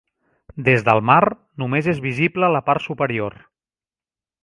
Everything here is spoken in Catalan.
Des del mar, només és visible la part superior.